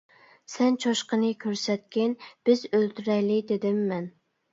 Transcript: سەن چوشقىنى كۆرسەتكىن، بىز ئۆلتۈرەيلى، -دېدىم مەن.